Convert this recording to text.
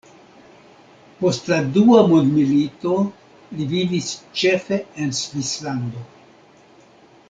Post la Dua mondmilito li vivis ĉefe en Svislando.